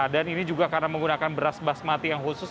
dan ini juga karena menggunakan beras basmati yang khusus